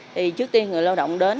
trước tiên người lao động đến